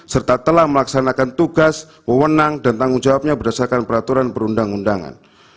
serta telah melaksanakan tugas mewenang dan tanggung jawabnya berdasarkan peraturan perundang undangan